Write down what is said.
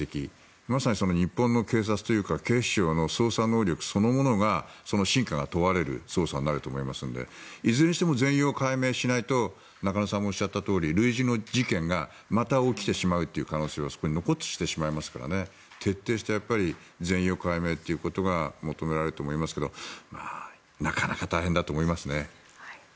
まさに日本の警察というか警視庁の捜査能力そのものが真価が問われる捜査になると思いますのでいずれにしても全容解明しないと中野さんがおっしゃったように類似の事件が起こってしまうという可能性はそこに残ってしまいますから徹底して全容解明が求められると思いますがなかなか大変だと思いますね。